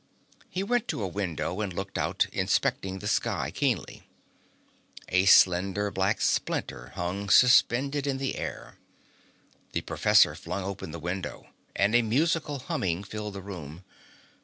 He went to a window and looked out, inspecting the sky keenly. A slender black splinter hung suspended in the air. The professor flung open the window, and a musical humming filled the room.